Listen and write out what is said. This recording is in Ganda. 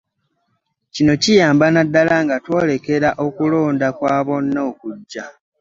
Kino kiyamba naddala nga twolekera okulonda kwa bonna okujja